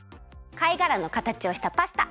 かいがらのかたちをしたパスタ。